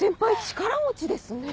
力持ちですね。